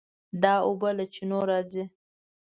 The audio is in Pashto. دا اوبه له چینو راځي.